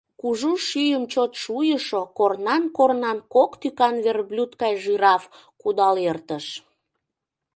Кужу шӱйым чот шуйышо, корнан-корнан кок тӱкан верблюд гай жираф кудал эртыш.